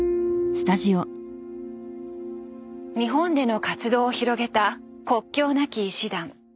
日本での活動を広げた国境なき医師団。